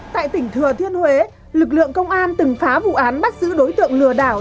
tại tỉnh thừa thiên huế lực lượng công an từng phá vụ án bắt giữ đối tượng lừa đảo